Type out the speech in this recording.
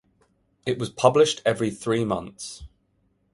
It was published every three months.